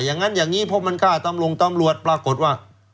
อย่างนั้นอย่างนี้เพราะมันฆ่าตำรวจปรากฏว่า